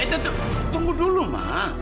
eh tutup tunggu dulu mak